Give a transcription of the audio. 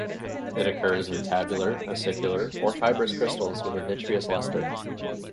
It occurs in tabular, acicular, or fibrous crystals with a vitreous luster.